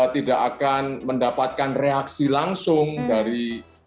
tidak akan mendapatkan reaksi langsung dari